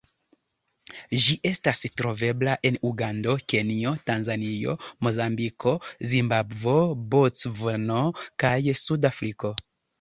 Ĝi estas trovebla en Ugando, Kenjo, Tanzanio, Mozambiko, Zimbabvo, Bocvano kaj Sud-Afriko.